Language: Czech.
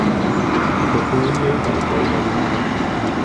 Obklopují jej „Velké zelené hory“.